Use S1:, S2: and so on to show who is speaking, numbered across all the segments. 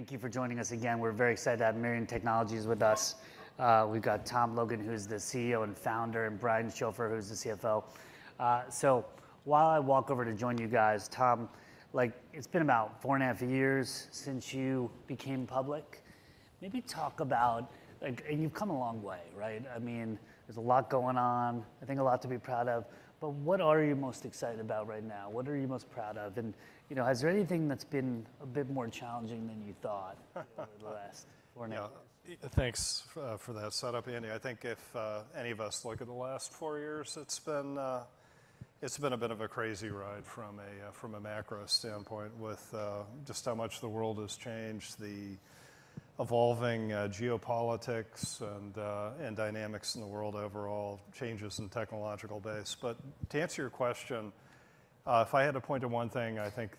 S1: Thank you for joining us again. We're very excited to have Mirion Technologies with us. We've got Tom Logan, who's the CEO and founder, and Brian Schopfer, who's the CFO. So while I walk over to join you guys, Tom, like, it's been about four and a half years since you became public. Maybe talk about, like, and you've come a long way, right? I mean, there's a lot going on, I think a lot to be proud of, but what are you most excited about right now? What are you most proud of? And, you know, is there anything that's been a bit more challenging than you thought over the last four and a half years?
S2: Yeah. Thanks for that setup, Andy. I think if any of us look at the last four years, it's been a bit of a crazy ride from a macro standpoint, with just how much the world has changed, the evolving geopolitics and dynamics in the world overall, changes in technological base. But to answer your question, if I had to point to one thing, I think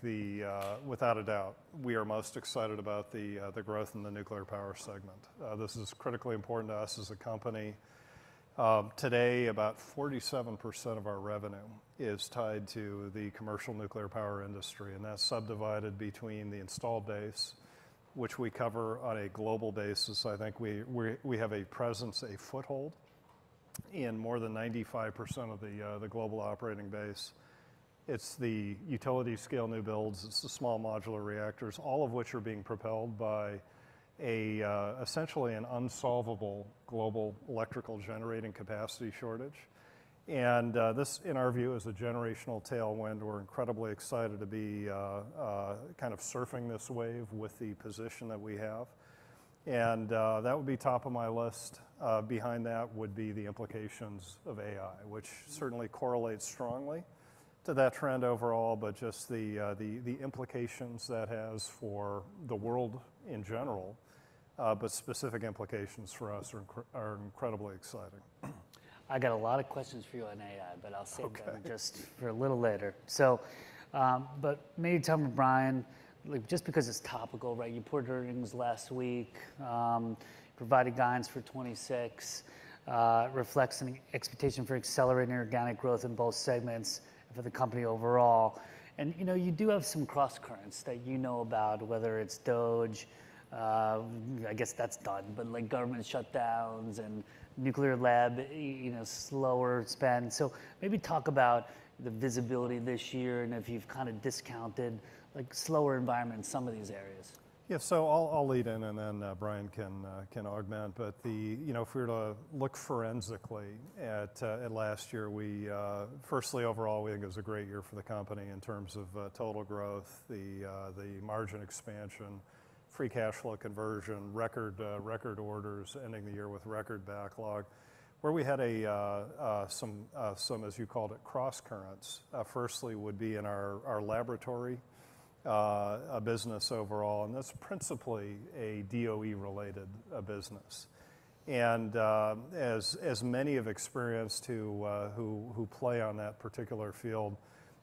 S2: without a doubt, we are most excited about the growth in the nuclear power segment. This is critically important to us as a company. Today, about 47% of our revenue is tied to the commercial nuclear power industry, and that's subdivided between the installed base, which we cover on a global basis. I think we have a presence, a foothold, in more than 95% of the global operating base. It's the utility-scale new builds. It's the small modular reactors, all of which are being propelled by essentially an unsolvable global electrical generating capacity shortage. And this, in our view, is a generational tailwind. We're incredibly excited to be kind of surfing this wave with the position that we have. And that would be top of my list. Behind that would be the implications of AI, which certainly correlates strongly to that trend overall, but just the implications that has for the world in general. But specific implications for us are incredibly exciting.
S1: I got a lot of questions for you on AI, but I'll save them.
S2: Okay
S1: -just for a little later. So, but maybe tell me, Brian, like, just because it's topical, right? You reported earnings last week, provided guidance for 2026, reflects an expectation for accelerating organic growth in both segments for the company overall. And, you know, you do have some crosscurrents that you know about, whether it's DOGE, I guess that's done, but, like, government shutdowns and nuclear lab, you know, slower spend. So maybe talk about the visibility this year and if you've kind of discounted, like, slower environment in some of these areas.
S2: Yeah. So I'll, I'll lead in, and then, Brian can, can augment. But the... You know, if we were to look forensically at, at last year, we, firstly, overall, we think it was a great year for the company in terms of, total growth, the, the margin expansion, free cash flow conversion, record, record orders, ending the year with record backlog. Where we had a, some, some, as you called it, crosscurrents, firstly, would be in our, our laboratory, business overall, and that's principally a DOE-related, business. And, as, as many have experienced who, who, who play on that particular field,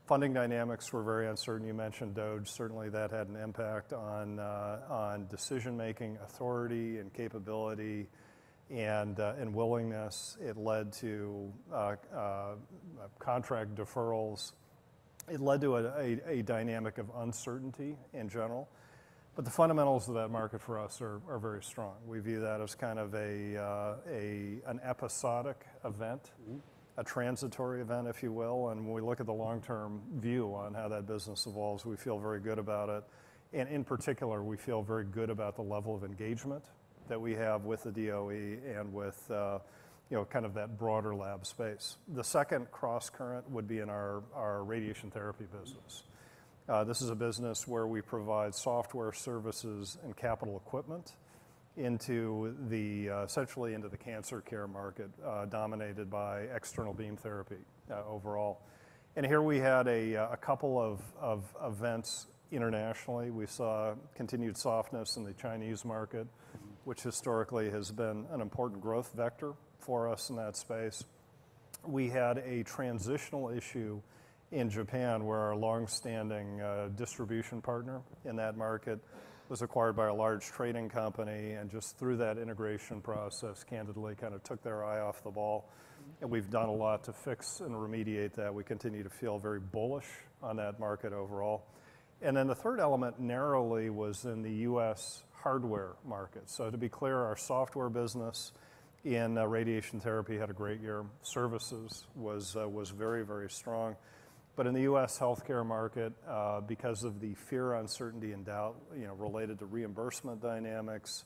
S2: funding dynamics were very uncertain. You mentioned DOGE. Certainly, that had an impact on, on decision-making, authority and capability and, and willingness. It led to, contract deferrals. It led to a dynamic of uncertainty in general. But the fundamentals of that market for us are very strong. We view that as kind of an episodic event-
S1: Mm-hmm ...
S2: a transitory event, if you will, and when we look at the long-term view on how that business evolves, we feel very good about it. And in particular, we feel very good about the level of engagement that we have with the DOE and with, you know, kind of that broader lab space. The second crosscurrent would be in our radiation therapy business. This is a business where we provide software services and capital equipment essentially into the cancer care market dominated by external beam therapy overall. Here we had a couple of events internationally. We saw continued softness in the Chinese market, which historically has been an important growth vector for us in that space. We had a transitional issue in Japan, where our long-standing distribution partner in that market was acquired by a large trading company, and just through that integration process, candidly kind of took their eye off the ball. We've done a lot to fix and remediate that. We continue to feel very bullish on that market overall. Then the third element narrowly was in the U.S. hardware market. So to be clear, our software business in radiation therapy had a great year. Services was very, very strong. But in the U.S. healthcare market, because of the fear, uncertainty, and doubt, you know, related to reimbursement dynamics,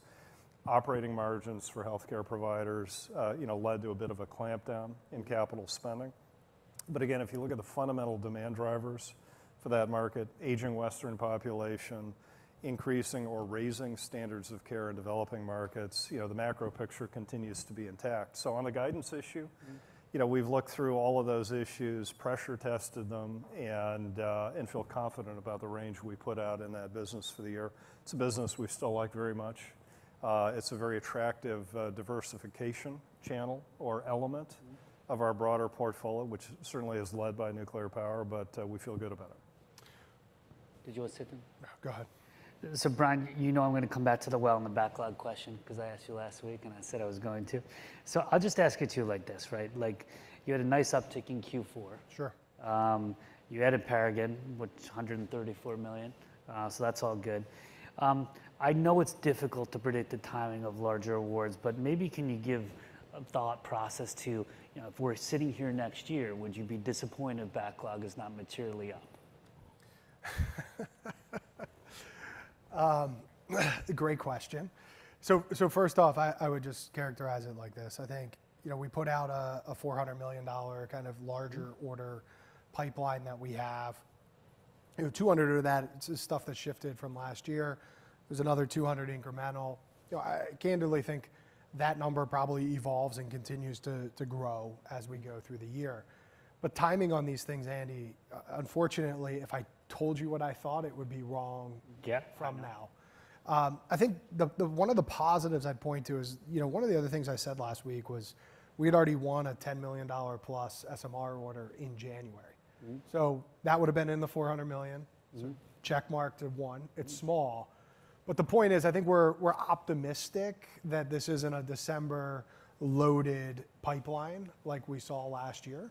S2: operating margins for healthcare providers, you know, led to a bit of a clampdown in capital spending. But again, if you look at the fundamental demand drivers for that market, aging Western population, increasing or raising standards of care in developing markets, you know, the macro picture continues to be intact. So on the guidance issue-
S1: Mm-hmm...
S2: you know, we've looked through all of those issues, pressure tested them, and feel confident about the range we put out in that business for the year. It's a business we still like very much. It's a very attractive diversification channel or element-
S1: Mm-hmm...
S2: of our broader portfolio, which certainly is led by nuclear power, but, we feel good about it....
S1: Did you want to say something?
S2: No, go ahead.
S1: So Brian, you know I'm gonna come back to the well in the backlog question, 'cause I asked you last week, and I said I was going to. So I'll just ask it to you like this, right? Like, you had a nice uptick in Q4.
S3: Sure.
S1: You added Paragon, which is $134 million, so that's all good. I know it's difficult to predict the timing of larger awards, but maybe can you give a thought process to, you know, if we're sitting here next year, would you be disappointed if backlog is not materially up?
S3: Great question. So first off, I would just characterize it like this: I think, you know, we put out a $400 million kind of larger order pipeline that we have. You know, 200 of that is stuff that shifted from last year. There's another 200 incremental. You know, I candidly think that number probably evolves and continues to grow as we go through the year. But timing on these things, Andy, unfortunately, if I told you what I thought, it would be wrong-
S1: Yeah...
S3: from now. I think the one of the positives I'd point to is, you know, one of the other things I said last week was we'd already won a $10 million-plus SMR order in January.
S1: Mm.
S3: That would've been in the $400 million.
S1: Mm-hmm.
S3: Check mark to one. It's small, but the point is, I think we're optimistic that this isn't a December-loaded pipeline like we saw last year.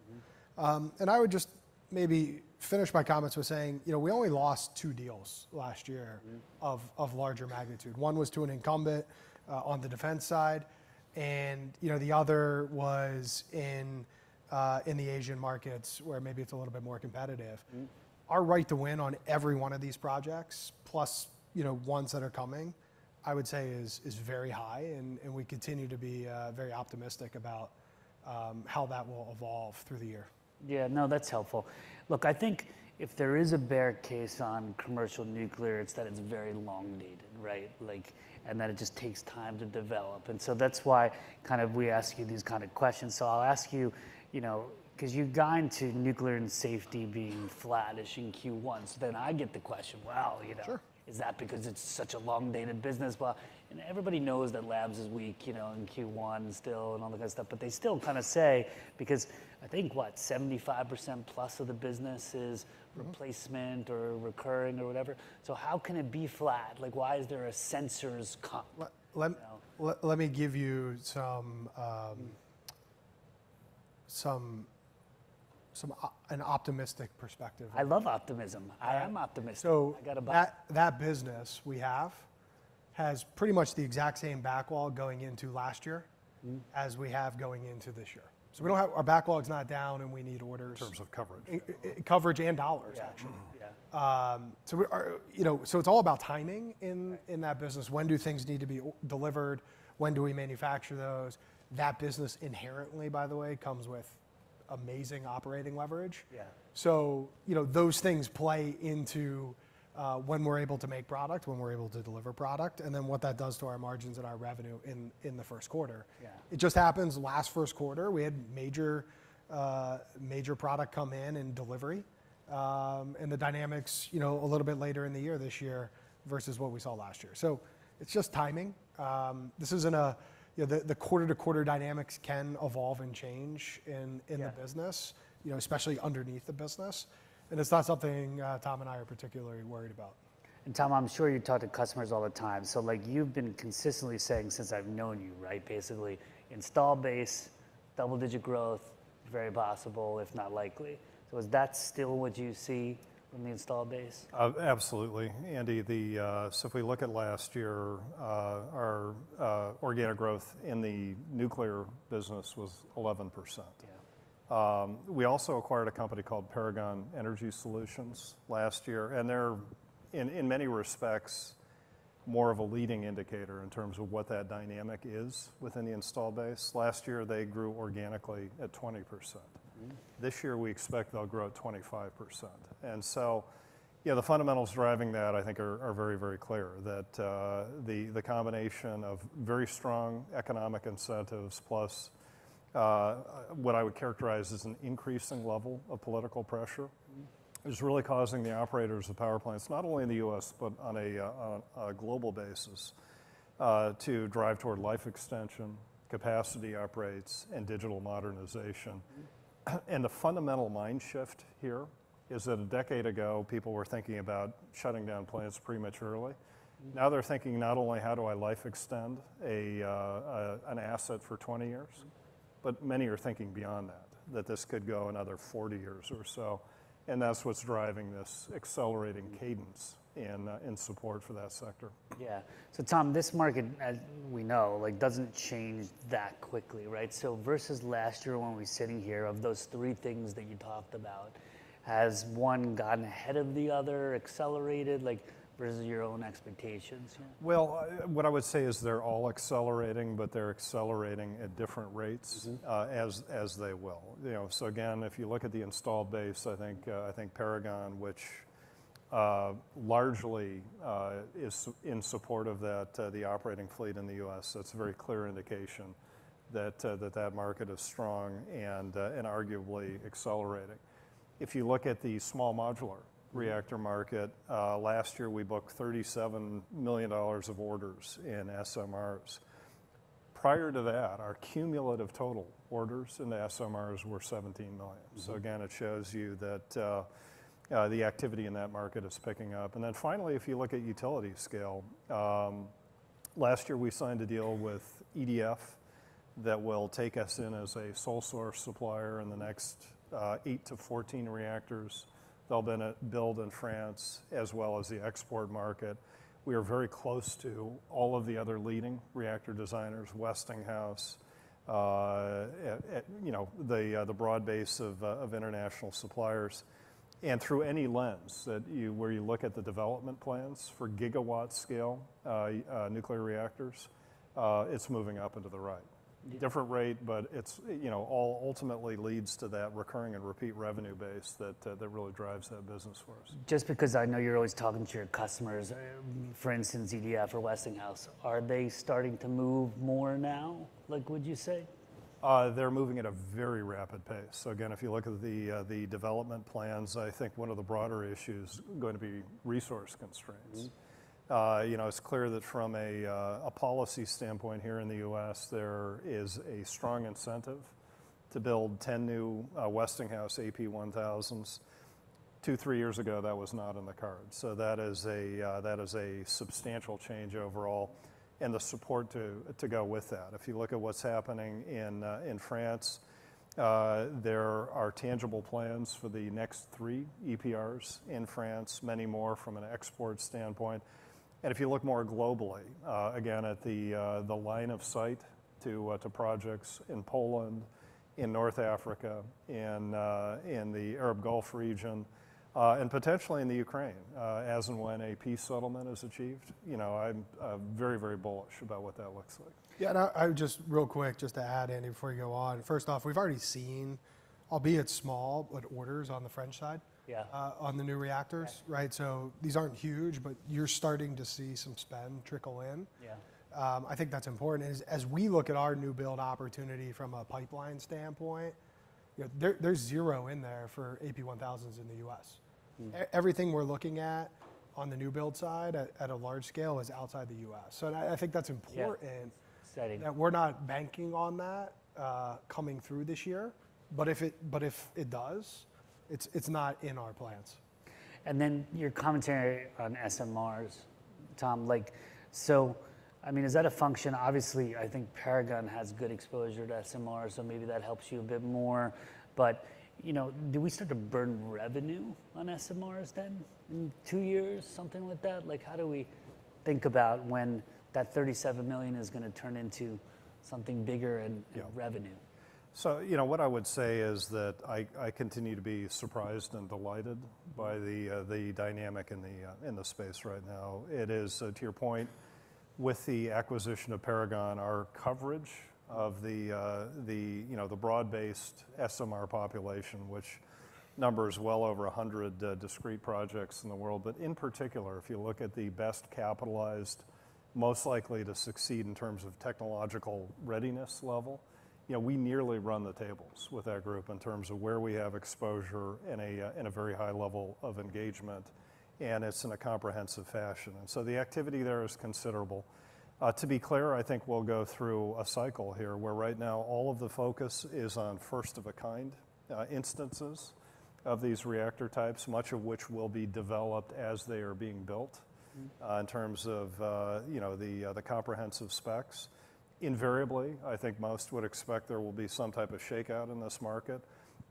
S1: Mm.
S3: I would just maybe finish my comments with saying, you know, we only lost two deals last year-
S1: Mm...
S3: of larger magnitude. One was to an incumbent, on the defense side, and, you know, the other was in the Asian markets, where maybe it's a little bit more competitive.
S1: Mm.
S3: Our right to win on every one of these projects, plus, you know, ones that are coming, I would say is very high, and we continue to be very optimistic about how that will evolve through the year.
S1: Yeah, no, that's helpful. Look, I think if there is a bear case on commercial nuclear, it's that it's very long dated, right? Like, and that it just takes time to develop, and so that's why kind of we ask you these kind of questions. So I'll ask you, you know, 'cause you've gone to nuclear and safety being flattish in Q1, so then I get the question, well, you know-
S3: Sure...
S1: is that because it's such a long-dated business? Well, and everybody knows that labs is weak, you know, in Q1 still and all that kind of stuff, but they still kind of say, because I think, what, 75%-plus of the business is-
S3: Mm-hmm...
S1: replacement or recurring or whatever. So how can it be flat? Like, why is there a sensors co-
S3: Let, let-
S1: You know
S3: Let me give you an optimistic perspective.
S1: I love optimism.
S3: Yeah.
S1: I am optimistic.
S3: So-
S1: I got a-...
S3: that business we have has pretty much the exact same backlog going into last year-
S1: Mm...
S3: as we have going into this year. So we don't have. Our backlog's not down, and we need orders-
S2: In terms of coverage.
S3: Coverage and dollars, actually.
S1: Yeah. Yeah.
S3: So we are, you know, so it's all about timing in-
S1: Right...
S3: in that business. When do things need to be delivered? When do we manufacture those? That business inherently, by the way, comes with amazing operating leverage.
S1: Yeah.
S3: You know, those things play into when we're able to make product, when we're able to deliver product, and then what that does to our margins and our revenue in the first quarter.
S1: Yeah.
S3: It just happens last first quarter, we had major product come in in delivery, and the dynamics, you know, a little bit later in the year this year versus what we saw last year. So it's just timing. This isn't a, you know, the quarter-to-quarter dynamics can evolve and change in the business.
S1: Yeah...
S3: you know, especially underneath the business. It's not something Tom and I are particularly worried about.
S1: Tom, I'm sure you talk to customers all the time, so, like, you've been consistently saying since I've known you, right, basically, install base, double-digit growth, very possible, if not likely. Is that still what you see in the install base?
S2: Absolutely. Andy, so if we look at last year, our organic growth in the nuclear business was 11%.
S1: Yeah.
S2: We also acquired a company called Paragon Energy Solutions last year, and they're, in many respects, more of a leading indicator in terms of what that dynamic is within the installed base. Last year, they grew organically at 20%.
S1: Mm.
S2: This year, we expect they'll grow at 25%. So, yeah, the fundamentals driving that I think are very, very clear. That, the combination of very strong economic incentives plus what I would characterize as an increasing level of political pressure-
S1: Mm-hmm...
S2: is really causing the operators of power plants, not only in the U.S., but on a global basis, to drive toward life extension, capacity operates, and digital modernization. The fundamental mind shift here is that a decade ago, people were thinking about shutting down plants prematurely.
S1: Mm.
S2: Now they're thinking, not only how do I life extend an asset for 20 years-
S1: Mm...
S2: but many are thinking beyond that, that this could go another 40 years or so, and that's what's driving this accelerating cadence in support for that sector.
S1: Yeah. So Tom, this market, as we know, like, doesn't change that quickly, right? So versus last year when we were sitting here, of those three things that you talked about, has one gotten ahead of the other, accelerated, like, versus your own expectations?
S2: Well, what I would say is they're all accelerating, but they're accelerating at different rates-
S1: Mm-hmm...
S2: as, as they will. You know, so again, if you look at the install base, I think, I think Paragon, which, largely, is in support of that, the operating fleet in the U.S., so it's a very clear indication that, that that market is strong and, and arguably accelerating. If you look at the small modular reactor market, last year, we booked $37 million of orders in SMRs. Prior to that, our cumulative total orders in the SMRs were $17 million. So again, it shows you that, the activity in that market is picking up. And then finally, if you look at utility scale, last year, we signed a deal with EDF that will take us in as a sole source supplier in the next eight to 14 reactors they'll then build in France as well as the export market. We are very close to all of the other leading reactor designers, Westinghouse, you know, the broad base of international suppliers. And through any lens that you, where you look at the development plans for gigawatt scale nuclear reactors, it's moving up into the right. Different rate, but it's, you know, all ultimately leads to that recurring and repeat revenue base that that really drives that business for us.
S1: Just because I know you're always talking to your customers, for instance, EDF or Westinghouse, are they starting to move more now, like, would you say?
S2: They're moving at a very rapid pace. So again, if you look at the development plans, I think one of the broader issues is going to be resource constraints.
S1: Mm-hmm.
S2: You know, it's clear that from a policy standpoint here in the U.S., there is a strong incentive to build 10 new Westinghouse AP1000s. Two to three years ago, that was not in the cards. So that is a substantial change overall and the support to go with that. If you look at what's happening in France, there are tangible plans for the next three EPRs in France, many more from an export standpoint. And if you look more globally, again, at the line of sight to projects in Poland, in North Africa, in the Arab Gulf region, and potentially in the Ukraine, as and when a peace settlement is achieved. You know, I'm very, very bullish about what that looks like.
S3: Yeah, and I, I just real quick, just to add, Andy, before you go on. First off, we've already seen, albeit small, but orders on the French side-
S1: Yeah...
S3: on the new reactors.
S1: Right.
S3: Right. So these aren't huge, but you're starting to see some spend trickle in.
S1: Yeah.
S3: I think that's important is as we look at our new build opportunity from a pipeline standpoint, you know, there's zero in there for AP1000s in the U.S.
S1: Mm.
S3: Everything we're looking at on the new build side at a large scale is outside the U.S. So I think that's important.
S1: Yeah. Exciting.
S3: Now, we're not banking on that coming through this year, but if it does, it's not in our plans.
S1: And then your commentary on SMRs, Tom, like, so, I mean, is that a function? Obviously, I think Paragon has good exposure to SMRs, so maybe that helps you a bit more. But, you know, do we start to burn revenue on SMRs then in two years, something like that? Like, how do we think about when that $37 million is gonna turn into something bigger in revenue?
S2: So, you know, what I would say is that I, I continue to be surprised and delighted by the, the dynamic in the, in the space right now. It is, to your point, with the acquisition of Paragon, our coverage of the, the, you know, the broad-based SMR population, which numbers well over 100, discrete projects in the world. But in particular, if you look at the best capitalized, most likely to succeed in terms of technological readiness level, you know, we nearly run the tables with that group in terms of where we have exposure and a, and a very high level of engagement, and it's in a comprehensive fashion. And so the activity there is considerable. To be clear, I think we'll go through a cycle here, where right now, all of the focus is on first-of-a-kind instances of these reactor types, much of which will be developed as they are being built-
S1: Mm
S2: In terms of, you know, the comprehensive specs. Invariably, I think most would expect there will be some type of shakeout in this market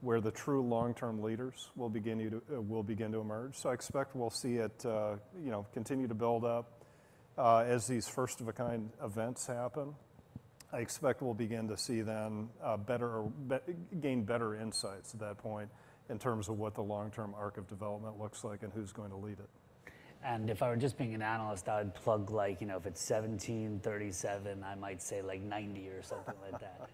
S2: where the true long-term leaders will begin to emerge. I expect we'll see it, you know, continue to build up. As these first-of-a-kind events happen, I expect we'll begin to see them gain better insights at that point in terms of what the long-term arc of development looks like and who's going to lead it.
S1: If I were just being an analyst, I'd plug like, you know, if it's 1,737, I might say like 90 or something like that.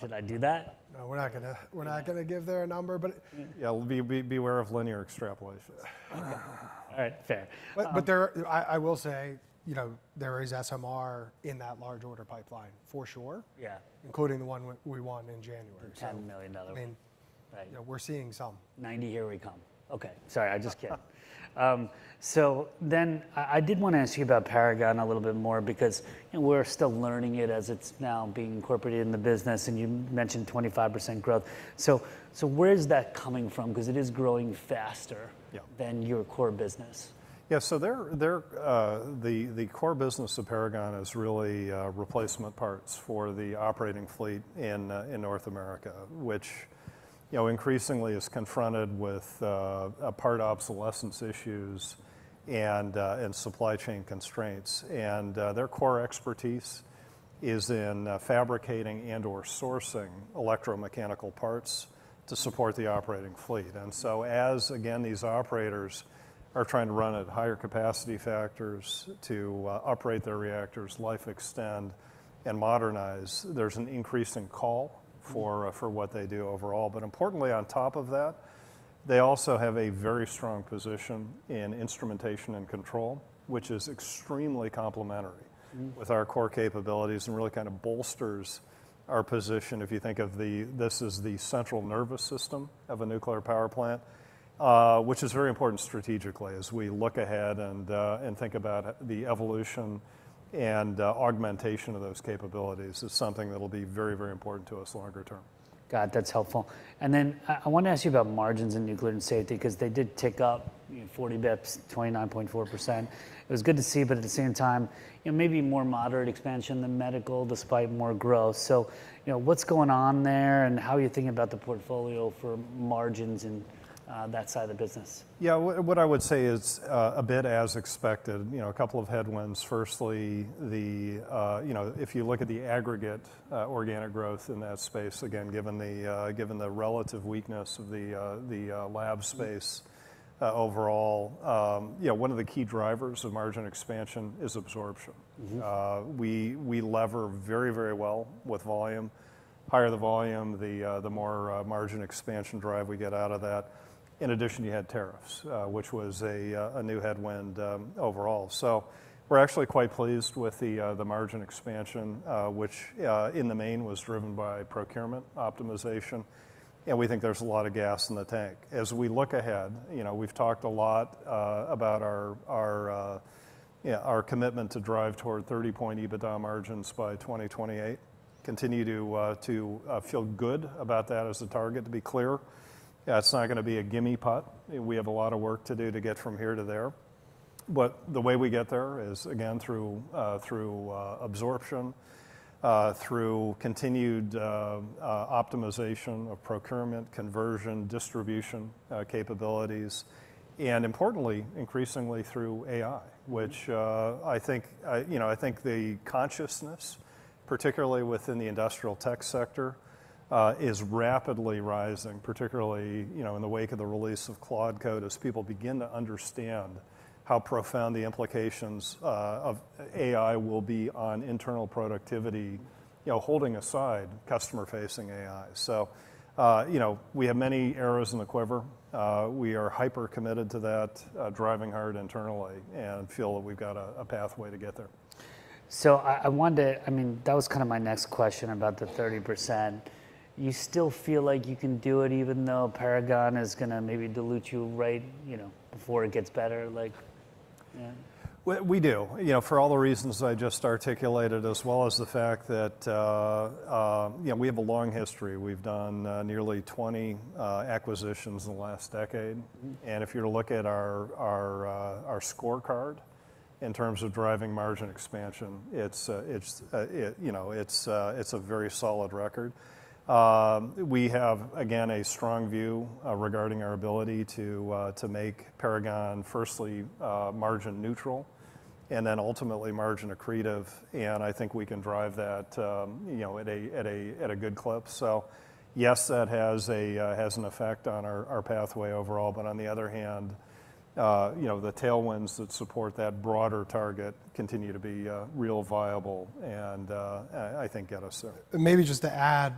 S1: Should I do that?
S3: No, we're not gonna give their number, but-
S2: Yeah, beware of linear extrapolation.
S1: Okay. All right, fair.
S3: But there are, I will say, you know, there is SMR in that large order pipeline, for sure.
S1: Yeah.
S3: Including the one we won in January.
S1: The $10 million.
S3: I mean-
S1: Right...
S3: you know, we're seeing some.
S1: 90, here we come. Okay, sorry, I'm just kidding. So then I did wanna ask you about Paragon a little bit more because we're still learning it as it's now being incorporated in the business, and you mentioned 25% growth. So where is that coming from? Because it is growing faster-
S2: Yeah...
S1: than your core business.
S2: Yeah, so the core business of Paragon is really replacement parts for the operating fleet in North America, which, you know, increasingly is confronted with part obsolescence issues and supply chain constraints. Their core expertise is in fabricating and/or sourcing electromechanical parts to support the operating fleet. And so as, again, these operators are trying to run at higher capacity factors to operate their reactors, life extend, and modernize, there's an increase in call for what they do overall. But importantly, on top of that, they also have a very strong position in instrumentation and control, which is extremely complementary.
S1: Mm.
S2: with our core capabilities, and really kind of bolsters our position. If you think of this as the central nervous system of a nuclear power plant, which is very important strategically as we look ahead and think about the evolution and augmentation of those capabilities, is something that'll be very, very important to us longer term.
S1: Got it. That's helpful. And then I, I wanted to ask you about margins in nuclear and safety, 'cause they did tick up, 40 basis points, 29.4%. It was good to see, but at the same time, you know, maybe more moderate expansion than medical, despite more growth. So, you know, what's going on there, and how are you thinking about the portfolio for margins in, that side of the business?
S2: Yeah, what, what I would say is a bit as expected, you know, a couple of headwinds. Firstly, you know, if you look at the aggregate organic growth in that space, again, given the relative weakness of the lab space overall, you know, one of the key drivers of margin expansion is absorption.
S1: Mm-hmm.
S2: We lever very, very well with volume. Higher the volume, the more margin expansion drive we get out of that. In addition, you had tariffs, which was a new headwind overall. We're actually quite pleased with the margin expansion, which, in the main, was driven by procurement optimization, and we think there's a lot of gas in the tank. As we look ahead, you know, we've talked a lot about our commitment to drive toward 30% EBITDA margins by 2028. Continue to feel good about that as a target. To be clear, it's not gonna be a gimme putt. We have a lot of work to do to get from here to there. But the way we get there is, again, through absorption, through continued optimization of procurement, conversion, distribution capabilities, and importantly, increasingly through AI. Which, I think, you know, I think the consciousness, particularly within the industrial tech sector, is rapidly rising, particularly, you know, in the wake of the release of Claude Code, as people begin to understand how profound the implications of AI will be on internal productivity, you know, holding aside customer-facing AI. So, you know, we have many arrows in the quiver. We are hyper-committed to that, driving hard internally, and feel that we've got a pathway to get there.
S1: So I wanted to... I mean, that was kind of my next question about the 30%. You still feel like you can do it, even though Paragon is gonna maybe dilute you right, you know, before it gets better, like, yeah?
S2: We do, you know, for all the reasons I just articulated, as well as the fact that, you know, we have a long history. We've done nearly 20 acquisitions in the last decade.
S1: Mm.
S2: And if you're to look at our scorecard in terms of driving margin expansion, it's, you know, a very solid record. We have, again, a strong view regarding our ability to make Paragon, firstly, margin neutral, and then ultimately margin accretive, and I think we can drive that, you know, at a good clip. So yes, that has an effect on our pathway overall, but on the other hand, you know, the tailwinds that support that broader target continue to be real viable, and I think get us there.
S3: Maybe just to add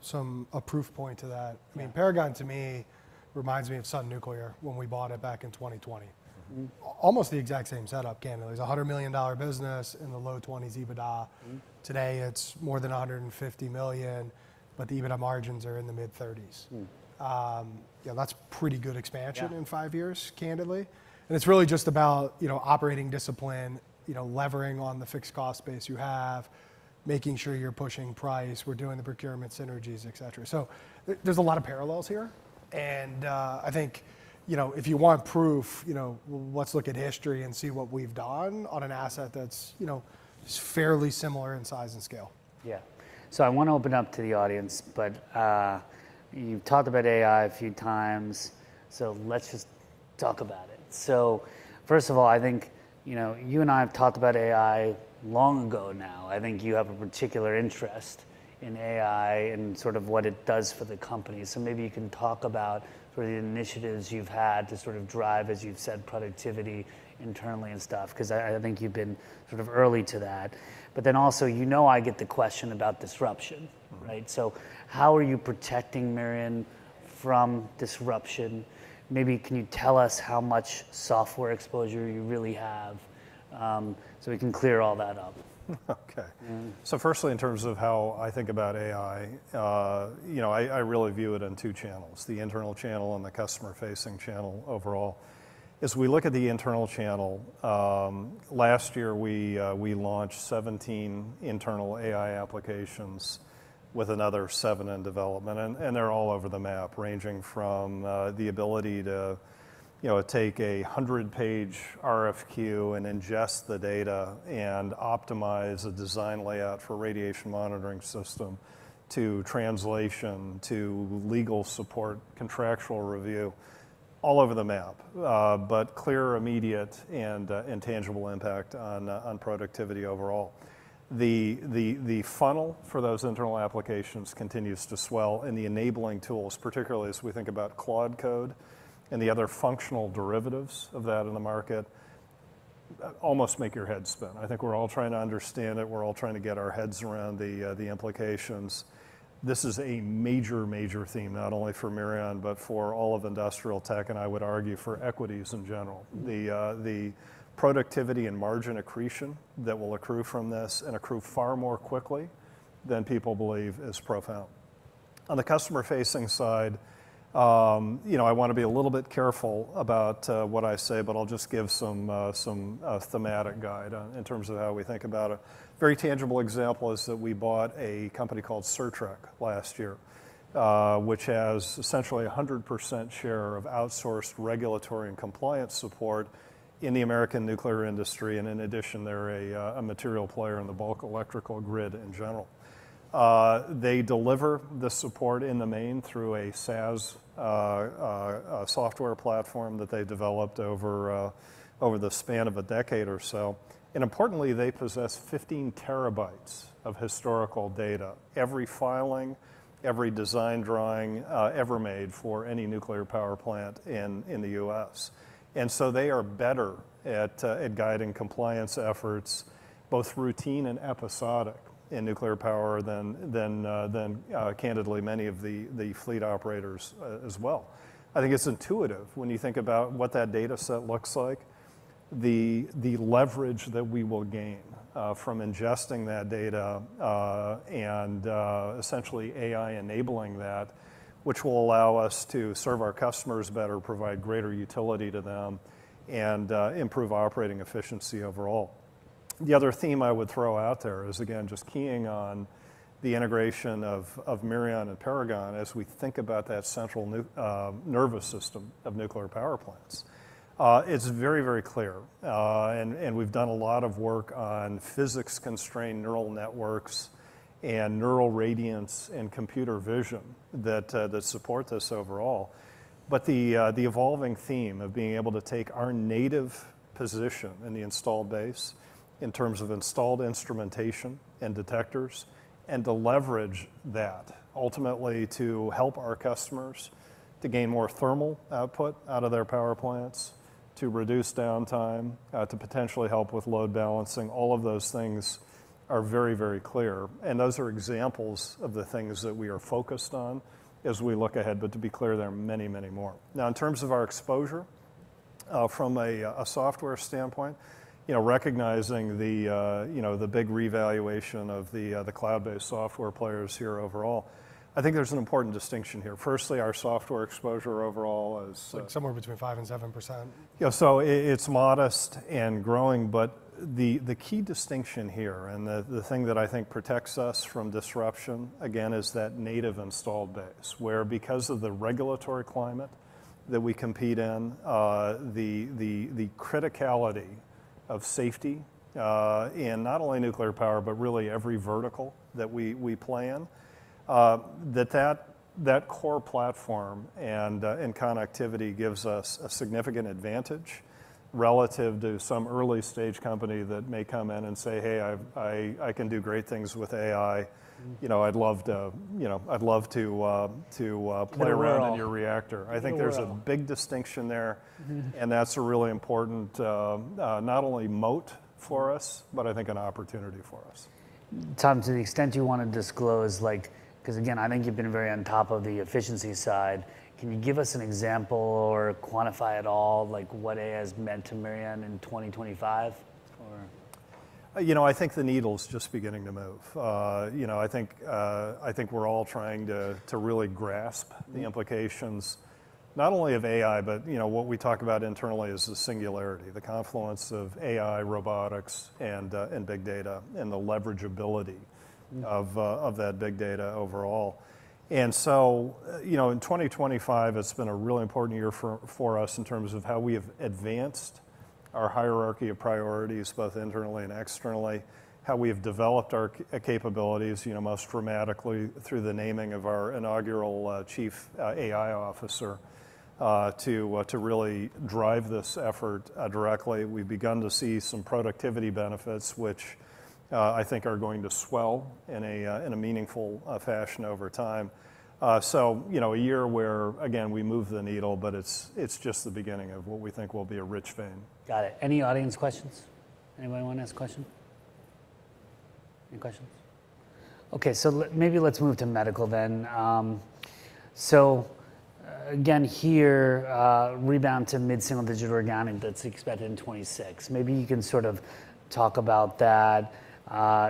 S3: some, a proof point to that.
S2: Mm-hmm.
S3: I mean, Paragon to me reminds me of Sun Nuclear when we bought it back in 2020.
S2: Mm.
S3: Almost the exact same setup, candidly. It's a $100 million business in the low 20s EBITDA.
S2: Mm.
S3: Today, it's more than $150 million, but the EBITDA margins are in the mid-30s.
S2: Mm.
S3: Yeah, that's pretty good expansion-
S1: Yeah...
S3: in five years, candidly. And it's really just about, you know, operating discipline, you know, levering on the fixed cost base you have, making sure you're pushing price, we're doing the procurement synergies, et cetera. So there, there's a lot of parallels here, and, I think, you know, if you want proof, you know, well, let's look at history and see what we've done on an asset that's, you know, fairly similar in size and scale.
S1: Yeah. So I want to open up to the audience, but, you've talked about AI a few times, so let's just talk about it. So first of all, I think, you know, you and I have talked about AI long ago now. I think you have a particular interest in AI and sort of what it does for the company. So maybe you can talk about sort of the initiatives you've had to sort of drive, as you've said, productivity internally and stuff, 'cause I, I think you've been sort of early to that. But then also, you know I get the question about disruption, right? So how are you protecting Mirion from disruption? Maybe can you tell us how much software exposure you really have, so we can clear all that up?
S2: Okay.
S1: Mm.
S2: So firstly, in terms of how I think about AI, you know, I really view it in two channels, the internal channel and the customer-facing channel overall. As we look at the internal channel, last year we launched 17 internal AI applications with another seven in development, and they're all over the map, ranging from the ability to, you know, take a 100-page RFQ and ingest the data and optimize a design layout for radiation monitoring system, to translation, to legal support, contractual review, all over the map. But clear, immediate, and tangible impact on productivity overall. The funnel for those internal applications continues to swell, and the enabling tools, particularly as we think about Claude Code and the other functional derivatives of that in the market, almost make your head spin. I think we're all trying to understand it, we're all trying to get our heads around the implications. This is a major, major theme, not only for Mirion, but for all of industrial tech, and I would argue for equities in general. The productivity and margin accretion that will accrue from this, and accrue far more quickly than people believe, is profound. On the customer-facing side, you know, I wanna be a little bit careful about what I say, but I'll just give some thematic guide in terms of how we think about it. Very tangible example is that we bought a company called Certrec last year, which has essentially 100% share of outsourced regulatory and compliance support in the American nuclear industry, and in addition, they're a material player in the bulk electrical grid in general. They deliver the support in the main through a SaaS software platform that they developed over the span of a decade or so. And importantly, they possess 15 TB of historical data. Every filing, every design drawing ever made for any nuclear power plant in the U.S.. And so they are better at guiding compliance efforts, both routine and episodic in nuclear power than candidly many of the fleet operators as well. I think it's intuitive when you think about what that data set looks like, the leverage that we will gain from ingesting that data and essentially AI-enabling that, which will allow us to serve our customers better, provide greater utility to them, and improve operating efficiency overall. The other theme I would throw out there is, again, just keying on the integration of Mirion and Paragon, as we think about that central nervous system of nuclear power plants. It's very clear, and we've done a lot of work on physics-constrained neural networks and neural radiance and computer vision that support this overall. But the evolving theme of being able to take our native position in the installed base, in terms of installed instrumentation and detectors, and to leverage that ultimately to help our customers to gain more thermal output out of their power plants, to reduce downtime, to potentially help with load balancing, all of those things are very, very clear. And those are examples of the things that we are focused on as we look ahead, but to be clear, there are many, many more. Now, in terms of our exposure, from a software standpoint, you know, recognizing the, you know, the big revaluation of the cloud-based software players here overall, I think there's an important distinction here. Firstly, our software exposure overall is-
S3: Like somewhere between 5% and 7%.
S2: Yeah, so it's modest and growing, but the key distinction here, and the thing that I think protects us from disruption, again, is that native installed base, where because of the regulatory climate that we compete in, the criticality of safety in not only nuclear power, but really every vertical that we play in, that core platform and connectivity gives us a significant advantage relative to some early-stage company that may come in and say, "Hey, I can do great things with AI. You know, I'd love to, you know, I'd love to play around-...
S3: Sure
S2: in your reactor.
S3: Sure.
S2: I think there's a big distinction there.
S3: Mm-hmm.
S2: That's a really important, not only moat for us, but I think an opportunity for us.
S1: Tom, to the extent you wanna disclose, like... 'cause again, I think you've been very on top of the efficiency side. Can you give us an example or quantify at all, like, what AI has meant to Mirion in 2025? Or...
S2: You know, I think the needle's just beginning to move. You know, I think we're all trying to really grasp the implications, not only of AI, but, you know, what we talk about internally is the singularity, the confluence of AI, robotics, and big data, and the leverageability- Of that big data overall. So, you know, in 2025, it's been a really important year for us in terms of how we have advanced our hierarchy of priorities, both internally and externally, how we have developed our capabilities, you know, most dramatically through the naming of our inaugural Chief AI Officer to really drive this effort directly. We've begun to see some productivity benefits, which I think are going to swell in a meaningful fashion over time. So, you know, a year where, again, we moved the needle, but it's just the beginning of what we think will be a rich vein.
S1: Got it. Any audience questions? Anybody want to ask a question? Any questions? Okay, maybe let's move to medical then. Again, here, rebound to mid-single-digit organic that's expected in 2026. Maybe you can sort of talk about that,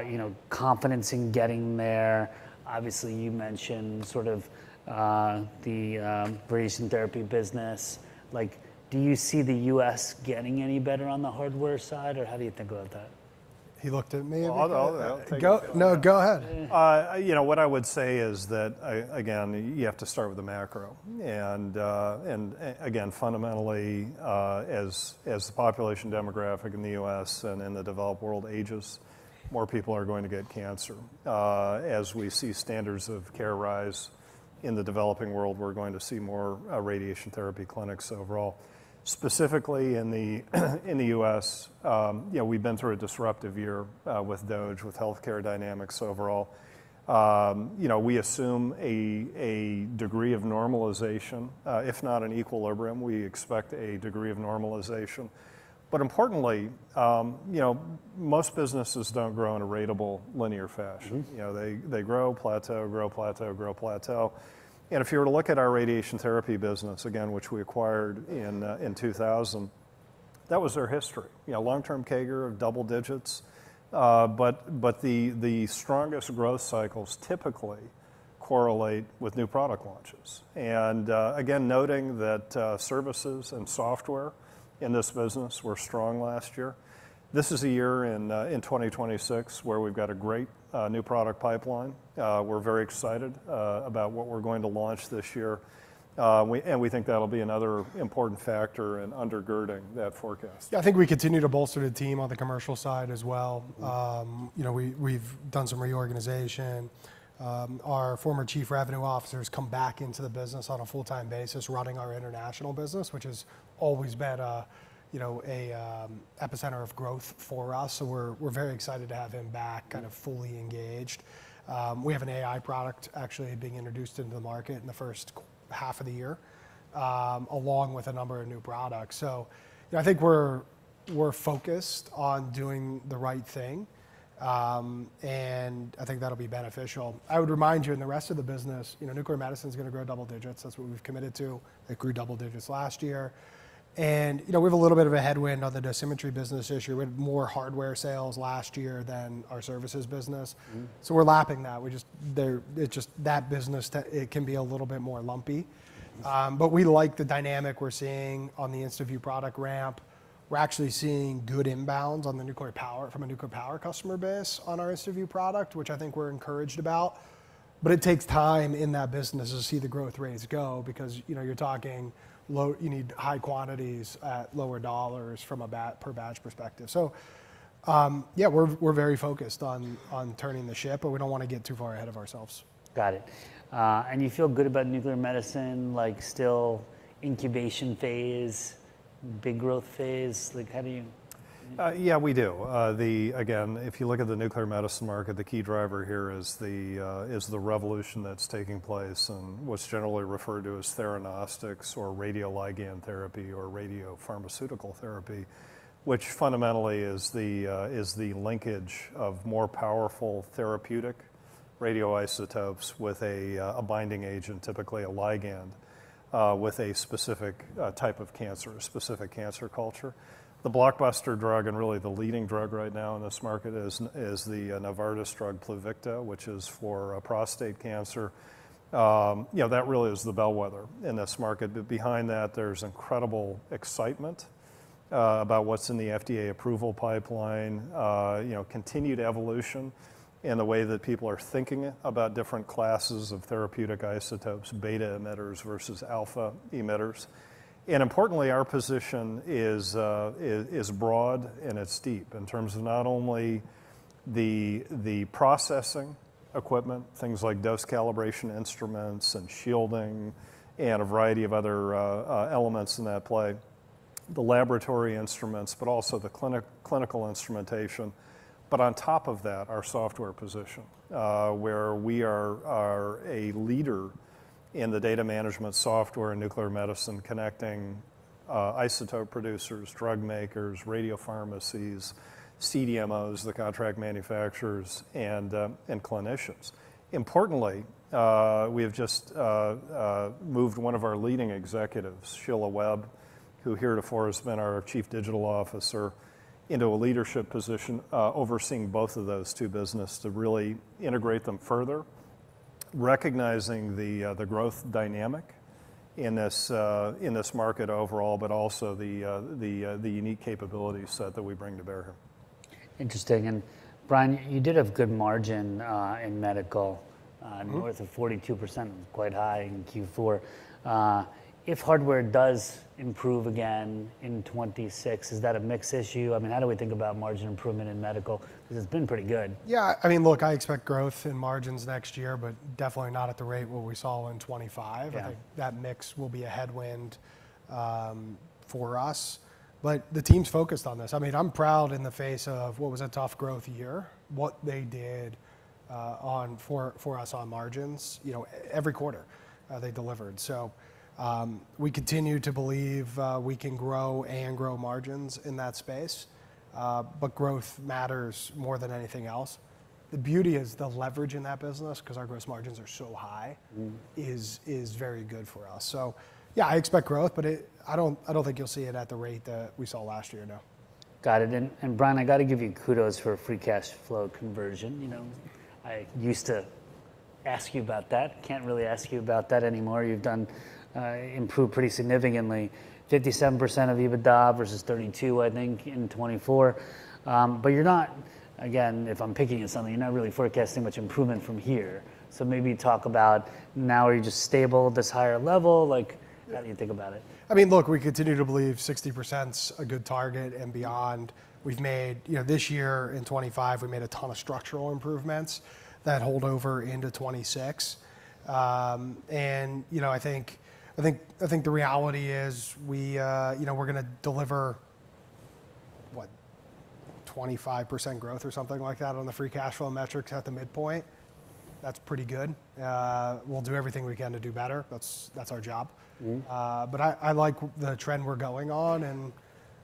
S1: you know, confidence in getting there. Obviously, you mentioned sort of, you know, the radiation therapy business. Like, do you see the U.S. getting any better on the hardware side, or how do you think about that?
S3: He looked at me, and I'll-
S2: I'll take it.
S3: No, go ahead.
S2: You know, what I would say is that, again, you have to start with the macro. And, again, fundamentally, as the population demographic in the U.S. and in the developed world ages, more people are going to get cancer. You know, as we see standards of care rise in the developing world, we're going to see more radiation therapy clinics overall. Specifically, in the U.S., you know, we've been through a disruptive year with DOGE, with healthcare dynamics overall. You know, we assume a degree of normalisation, if not an equilibrium, we expect a degree of normalisation. But importantly, you know, most businesses don't grow in a ratable linear fashion.
S3: Mm-hmm.
S2: You know, they, they grow, plateau, grow, plateau, grow, plateau. And if you were to look at our radiation therapy business, again, which we acquired in 2020, that was their history. You know, long-term CAGR of double digits, but the strongest growth cycles typically correlate with new product launches. And again, noting that services and software in this business were strong last year, this is a year in 2026, where we've got a great new product pipeline. We're very excited about what we're going to launch this year, and we think that'll be another important factor in undergirding that forecast.
S3: Yeah, I think we continue to bolster the team on the commercial side as well. You know, we've done some reorganization. Our former Chief Revenue Officer has come back into the business on a full-time basis, running our international business, which has always been a, you know, a epicenter of growth for us. We're very excited to have him back, kind of fully engaged. We have an AI product actually being introduced into the market in the first half of the year, along with a number of new products. You know, I think we're focused on doing the right thing, and I think that'll be beneficial. I would remind you, in the rest of the business, you know, nuclear medicine's gonna grow double digits. That's what we've committed to. It grew double digits last year, and, you know, we have a little bit of a headwind on the dosimetry business this year. We had more hardware sales last year than our services business.
S2: Mm.
S3: We're lapping that. We just- there- it just- that business, te- it can be a little bit more lumpy. We like the dynamic we're seeing on the InstadoseVUE product ramp. We're actually seeing good inbounds on the nuclear power- from a nuclear power customer base on our InstadoseVUE product, which I think we're encouraged about, but it takes time in that business to see the growth rates go because, you know, you're talking low... You need high quantities at lower dollars from a per badge perspective. Yeah, we're very focused on turning the ship, but we don't want to get too far ahead of ourselves.
S1: Got it. You feel good about nuclear medicine, like, still incubation phase, big growth phase? Like, how do you...
S2: Yeah, we do. Again, if you look at the nuclear medicine market, the key driver here is the revolution that's taking place and what's generally referred to as theranostics or radioligand therapy or radiopharmaceutical therapy, which fundamentally is the linkage of more powerful therapeutic radioisotopes with a binding agent, typically a ligand, with a specific type of cancer, a specific cancer culture. The blockbuster drug, and really the leading drug right now in this market, is the Novartis drug Pluvicto, which is for prostate cancer. You know, that really is the bellwether in this market. But behind that, there's incredible excitement about what's in the FDA approval pipeline, you know, continued evolution in the way that people are thinking about different classes of therapeutic isotopes, beta emitters versus alpha emitters. And importantly, our position is broad and it's deep in terms of not only the processing equipment, things like dose calibration instruments and shielding, and a variety of other elements in that play, the laboratory instruments, but also the clinical instrumentation. But on top of that, our software position, where we are a leader in the data management software in nuclear medicine, connecting isotope producers, drug makers, radio pharmacies, CDMOs, the contract manufacturers, and clinicians. Importantly, we have just moved one of our leading executives, Shelia Webb, who here at Forest has been our Chief Digital Officer, into a leadership position overseeing both of those two business to really integrate them further, recognising the growth dynamic in this market overall, but also the unique capability set that we bring to bear here.
S1: Interesting. Brian, you did have good margin in medical.
S3: Mm-hmm.
S1: North of 42%, quite high in Q4. If hardware does improve again in 2026, is that a mix issue? I mean, how do we think about margin improvement in medical? Because it's been pretty good.
S3: Yeah. I mean, look, I expect growth in margins next year, but definitely not at the rate what we saw in 2025.
S1: Yeah.
S3: I think that mix will be a headwind for us, but the team's focused on this. I mean, I'm proud in the face of what was a tough growth year, what they did, you know, for us on margins. You know, every quarter, they delivered. We continue to believe we can grow and grow margins in that space, but growth matters more than anything else. The beauty is the leverage in that business, 'cause our gross margins are so high.
S1: Mm...
S3: is very good for us. So yeah, I expect growth, but I don't think you'll see it at the rate that we saw last year, no.
S1: Got it. And Brian, I've got to give you kudos for free cash flow conversion. You know, I used to ask you about that. Can't really ask you about that anymore. You've done improved pretty significantly, 57% of EBITDA versus 32%, I think, in 2024. But you're not, again, if I'm picking at something, you're not really forecasting much improvement from here. So maybe talk about, now are you just stable at this higher level? Like-
S3: Yeah…
S1: how do you think about it?
S3: I mean, look, we continue to believe 60%'s a good target and beyond. You know, this year, in 2025, we made a ton of structural improvements that hold over into 2026. And, you know, I think the reality is we, you know, we're gonna deliver, what? 25% growth or something like that on the free cash flow metrics at the midpoint. That's pretty good. We'll do everything we can to do better. That's our job.
S1: Mm.
S3: But I like the trend we're going on, and,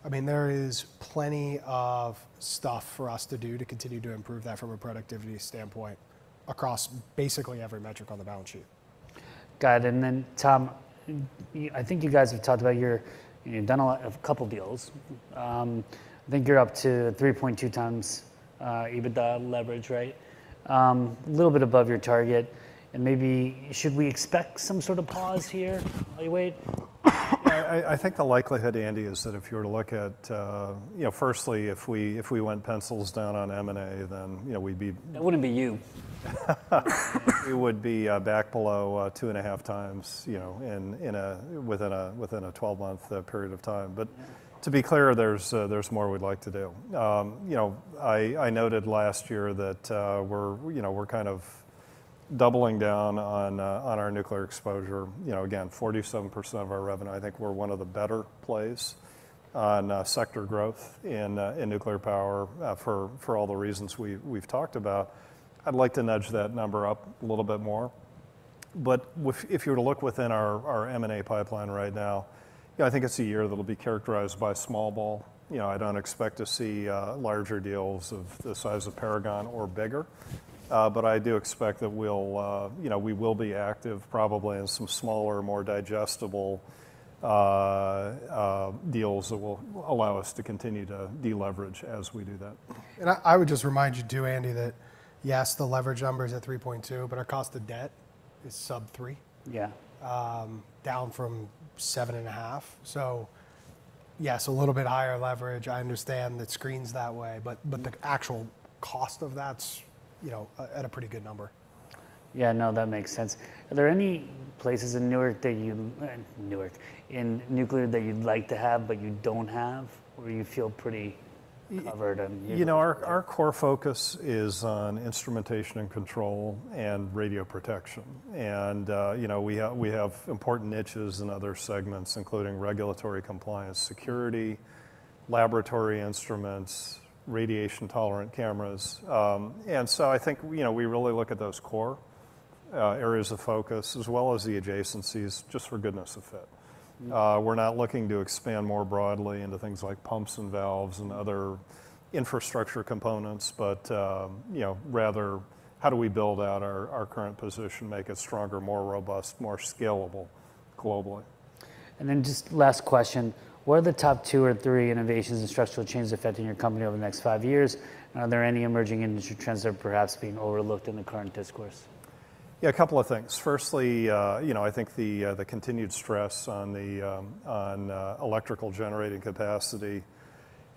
S3: I mean, there is plenty of stuff for us to do to continue to improve that from a productivity standpoint across basically every metric on the balance sheet....
S1: Got it. And then, Tom, I think you guys have talked about your, you've done a lot, a couple deals. I think you're up to 3.2x EBITDA leverage, right? A little bit above your target, and maybe should we expect some sort of pause here while you wait?
S2: I think the likelihood, Andy, is that if you were to look at, you know, firstly, if we went pencils down on M&A, then, you know, we'd be-
S1: That wouldn't be you.
S2: We would be back below 2.5x, you know, within a 12-month period of time. But to be clear, there's more we'd like to do. You know, I noted last year that, you know, we're kind of doubling down on our nuclear exposure. You know, again, 47% of our revenue, I think we're one of the better plays on sector growth in nuclear power for all the reasons we've talked about. I'd like to nudge that number up a little bit more. But if you were to look within our M&A pipeline right now, you know, I think it's a year that'll be characterized by small ball. You know, I don't expect to see larger deals of the size of Paragon or bigger. But I do expect that we'll, you know, we will be active, probably in some smaller, more digestible deals that will allow us to continue to deleverage as we do that.
S3: I, I would just remind you, too, Andy, that, yes, the leverage number is at 3.2, but our cost of debt is sub 3.
S1: Yeah.
S3: Down from 7.5. So yes, a little bit higher leverage. I understand that screens that way, but the actual cost of that's, you know, at a pretty good number.
S1: Yeah, no, that makes sense. Are there any places in nuclear that you'd like to have but you don't have? Or you feel pretty covered on-
S2: You know, our core focus is on instrumentation and control and radio protection. You know, we have important niches in other segments, including regulatory compliance, security, laboratory instruments, radiation-tolerant cameras. And so I think, you know, we really look at those core areas of focus as well as the adjacencies, just for goodness of fit. We're not looking to expand more broadly into things like pumps and valves and other infrastructure components, but, you know, rather, how do we build out our current position, make it stronger, more robust, more scalable globally?
S1: And then just last question: What are the top two or three innovations and structural changes affecting your company over the next five years? Are there any emerging industry trends that are perhaps being overlooked in the current discourse?
S2: Yeah, a couple of things. Firstly, you know, I think the continued stress on the electrical generating capacity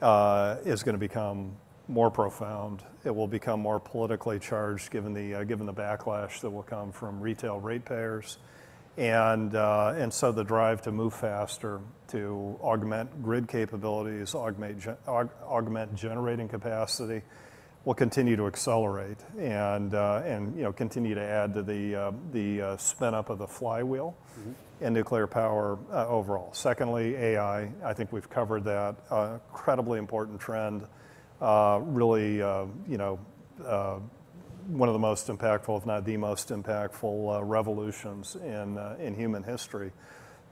S2: is gonna become more profound. It will become more politically charged, given the backlash that will come from retail ratepayers. And so the drive to move faster, to augment grid capabilities, augment generating capacity, will continue to accelerate and, you know, continue to add to the spin up of the flywheel-
S1: Mm-hmm...
S2: in nuclear power, overall. Secondly, AI, I think we've covered that. Incredibly important trend, really, you know, one of the most impactful, if not the most impactful, revolutions in in human history.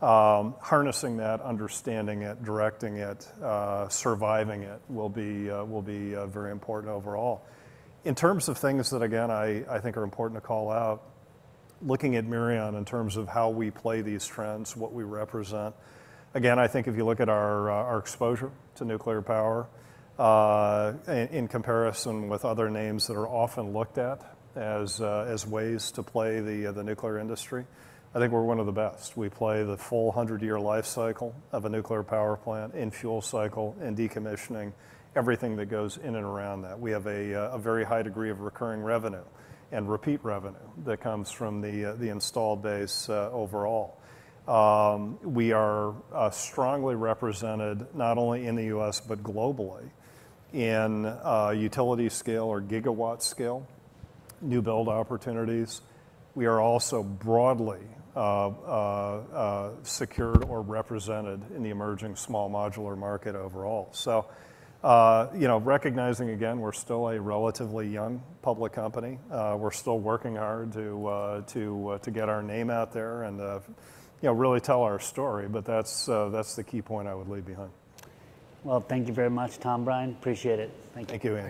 S2: Harnessing that, understanding it, directing it, surviving it, will be, will be, very important overall. In terms of things that, again, I, I think are important to call out, looking at Mirion in terms of how we play these trends, what we represent, again, I think if you look at our, our exposure to nuclear power, in comparison with other names that are often looked at as, as ways to play the the nuclear industry, I think we're one of the best. We play the full 100-year life cycle of a nuclear power plant in fuel cycle and decommissioning, everything that goes in and around that. We have a very high degree of recurring revenue and repeat revenue that comes from the installed base overall. We are strongly represented, not only in the U.S., but globally, in utility scale or gigawatt scale, new build opportunities. We are also broadly secured or represented in the emerging small modular market overall. So, you know, recognizing again, we're still a relatively young public company, we're still working hard to get our name out there and, you know, really tell our story, but that's the key point I would leave behind.
S1: Well, thank you very much, Tom, Brian. Appreciate it. Thank you.
S2: Thank you, Andy.